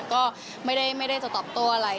ก็ไม่ได้จะตอบโต้อะไร